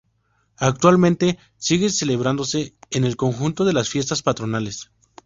Actualmente sigue celebrándose en el conjunto de las Fiestas Patronales.